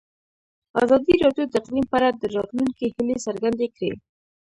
ازادي راډیو د اقلیم په اړه د راتلونکي هیلې څرګندې کړې.